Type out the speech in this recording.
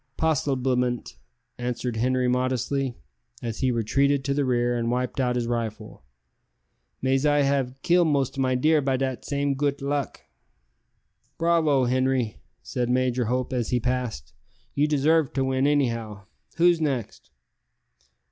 "Possiblement," answered Henri modestly, as he retreated to the rear and wiped out his rifle; "mais I have kill most of my deer by dat same goot luck." "Bravo, Henri!" said Major Hope as he passed; "you deserve to win, anyhow. Who's next?"